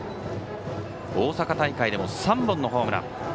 大阪大会でも３本のホームラン。